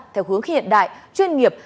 theo hướng hiện đại chuyên nghiệp